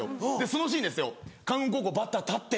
そのシーンですよ観音高校バッター立って。